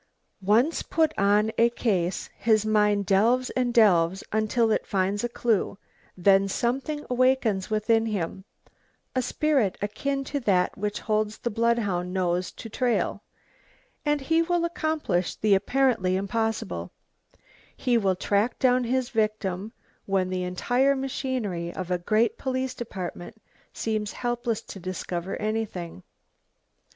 Once put on a case his mind delves and delves until it finds a clue, then something awakes within him, a spirit akin to that which holds the bloodhound nose to trail, and he will accomplish the apparently impossible, he will track down his victim when the entire machinery of a great police department seems helpless to discover anything.